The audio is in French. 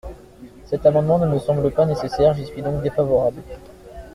Cet amendement ne me semble pas nécessaire : j’y suis donc défavorable.